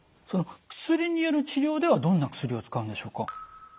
その薬による治療ではどんな薬を使うんでしょうか？